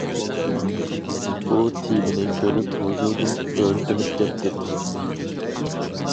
بۇ تېمىنى كۆرۈپ ۋۇجۇدۇم ئۆرتىنىپ كەتتى.